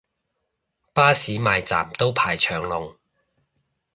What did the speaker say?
巴士埋站都排長龍